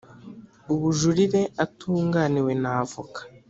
Ubujurire atunganiwe n avoka